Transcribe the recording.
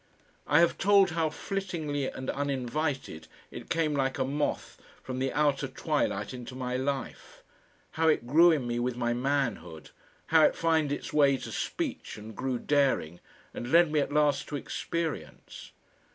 I have told how flittingly and uninvited it came like a moth from the outer twilight into my life, how it grew in me with my manhood, how it found its way to speech and grew daring, and led me at last to experience.